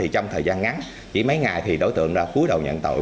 trong thời gian ngắn chỉ mấy ngày thì đối tượng ra cuối đầu nhận tội